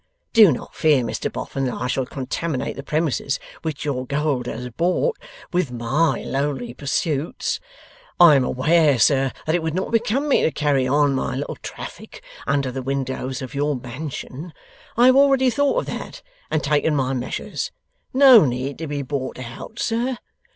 Do not fear, Mr Boffin, that I shall contaminate the premises which your gold has bought, with MY lowly pursuits. I am aware, sir, that it would not become me to carry on my little traffic under the windows of your mansion. I have already thought of that, and taken my measures. No need to be bought out, sir.